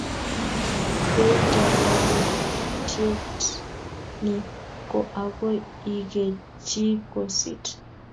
Yeitar walutiet ni, ko akoi iketchi kosit